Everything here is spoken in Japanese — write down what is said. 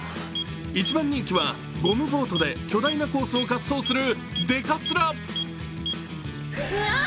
一番人気はゴムボートで巨大なコースを滑走するＤＥＫＡＳＬＡ。